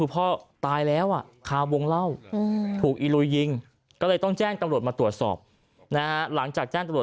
รอบกันจะรอบกันเริ่มแย่งฟังเพลงกันเมาเล่าโค้กขวด